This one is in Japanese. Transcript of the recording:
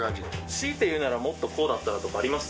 強いて言うならもっとこうだったなとかあります？